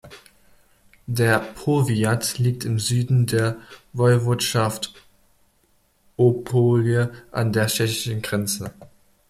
Der Powiat liegt im Süden der Woiwodschaft Opole, an der tschechischen Grenze.